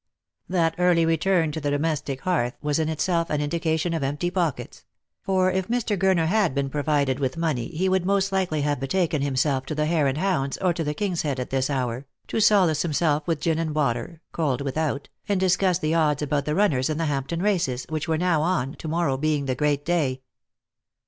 That early return to the domestic hearth was in itself an indi cation of empty pockets ; for if Mr. Gurner had been provided with money he would most likely have betaken himself to the Hare and Hounds or to the King's Head at this hour, to solace himself with gin and water, "cold without," and discuss the odds about the runners in the Hampton races, which were now on, to morrow being the great day.